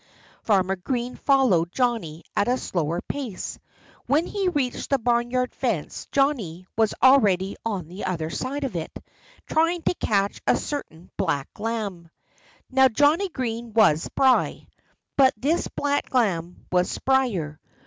Farmer Green followed Johnnie at a slower pace. When he reached the barnyard fence Johnnie was already on the other side of it, trying to catch a certain black lamb. Now, Johnnie Green was spry; but this black lamb was sprier.